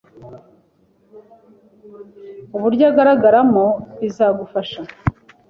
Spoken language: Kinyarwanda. uburyo ugaragaramo biragufasha